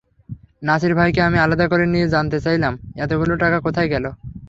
নাসির ভাইকে আমি আলাদা করে নিয়ে জানতে চাইলাম, এতগুলো টাকা কোথায় গেল।